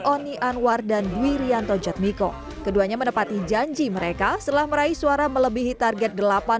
oni anwar dan dwi rianto jatmiko keduanya menepati janji mereka setelah meraih suara melebihi target